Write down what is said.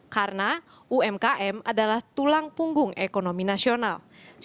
karena umkm adalah tulang punggung ekonomi nasional